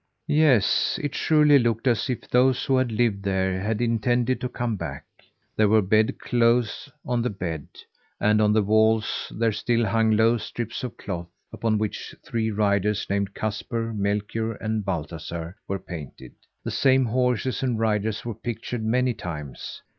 Yes, it surely looked as if those who had lived there had intended to come back. There were bed clothes on the bed; and on the walls there still hung long strips of cloth, upon which three riders named Kasper, Melchior, and Baltasar were painted. The same horses and riders were pictured many times.